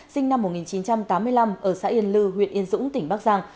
sinh năm một nghìn chín trăm tám mươi năm ở xã yên lư huyện yên dũng tỉnh bắc giang